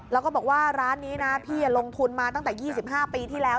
แล้วก็บอกว่าร้านนี้นะพี่ลงทุนมาตั้งแต่๒๕ปีที่แล้ว